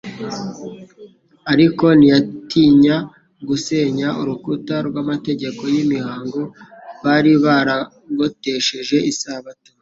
ariko ntiyatinya gusenya urukuta rw'amategeko y'imihango bari baragotesheje isabato.